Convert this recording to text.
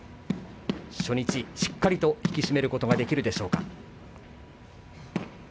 初日しっかりと引き締めることができるでしょうか。